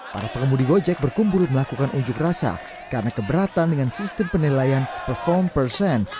para pengemudi gojek berkumpul melakukan unjuk rasa karena keberatan dengan sistem penilaian perform person